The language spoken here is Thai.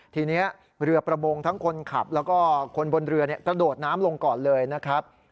ทีนี้เรือประมงทั้งคนขับแล้วก็คนบนเรือกระโดดน้ำลงก่อนเลยนะครับ